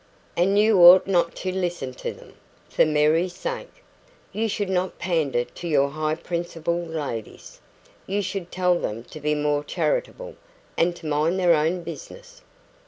And you ought not to listen to them, for Mary's sake. You should not pander to your high principled ladies. You should tell them to be more charitable, and to mind their own business."